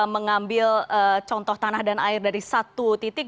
mengambil contoh tanah dan air dari satu titik